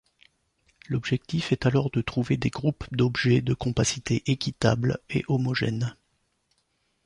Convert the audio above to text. L'objectif est alors de trouver des groupes d'objets de compacité équitable et homogènes.